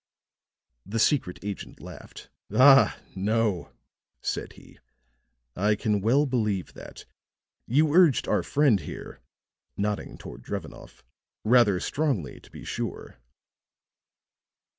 The secret agent laughed. "Ah, no," said he. "I can well believe that. You urged our friend here," nodding toward Drevenoff, "rather strongly, to be sure."